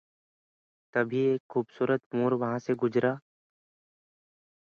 It has similar properties to phenobarbital.